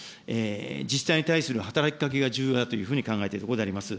自治体に対する働きかけが重要だというふうに考えているところであります。